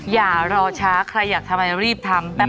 อย่ารอช้าใครอยากทำไมรีบทำ